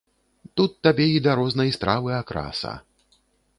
Тут табе і да рознай стравы акраса.